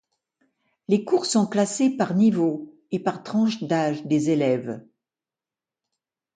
Les cours sont classés par niveaux et par tranche d'âge des élèves.